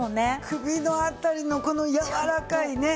首の辺りのこの柔らかいね。